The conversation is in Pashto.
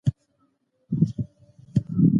هر کار بايد په سمه لاره روان وي.